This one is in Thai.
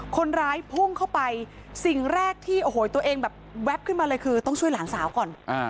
คนร้ายพุ่งเข้าไปสิ่งแรกที่โอ้โหตัวเองแบบแว๊บขึ้นมาเลยคือต้องช่วยหลานสาวก่อน